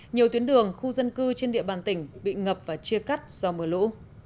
nhiều tuyến đường khu dân cư trên địa bàn tỉnh bị ngập và chia cắt do mưa lũ